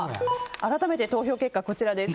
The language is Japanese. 改めて、投票結果です。